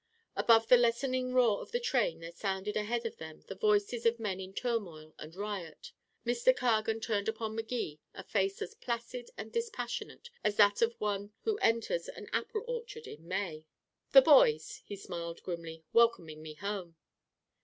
Above the lessening roar of the train there sounded ahead of them the voices of men in turmoil and riot. Mr. Cargan turned upon Magee a face as placid and dispassionate as that of one who enters an apple orchard in May. "The boys," he smiled grimly, "welcoming me home."